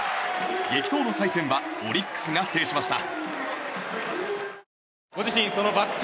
激闘の再戦はオリックスが制しました。